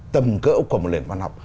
tầm cỡ của một liền văn học